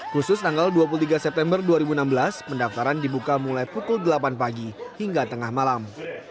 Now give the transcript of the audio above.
khusus tanggal dua puluh tiga september dua ribu enam belas pendaftaran dibuka mulai pukul delapan pagi hingga tengah malam